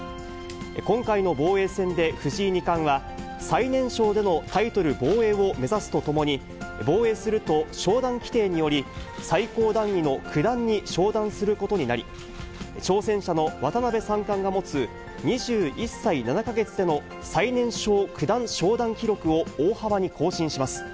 今回の防衛戦で藤井二冠は、最年少でのタイトル防衛を目指すとともに、防衛すると昇段規定により、最高段位の九段に昇段することになり、挑戦者の渡辺三冠が持つ２１歳７か月での最年少九段昇段記録を大幅に更新します。